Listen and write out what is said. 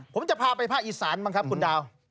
ผมจะพาไปภาคอีสานบ้างครับคุณดาว